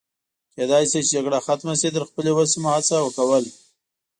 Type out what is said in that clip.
کېدای شي چې جګړه ختمه شي، تر خپلې وسې مو هڅه کول.